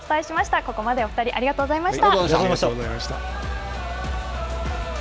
ここまでお２人、ありがとうございました。